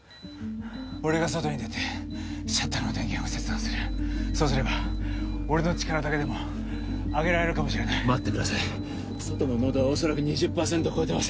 俺が外に出てシャッターの電源を切断するそうすれば俺の力だけでも上げられるかもしれない待ってください外の濃度は恐らく２０％超えてます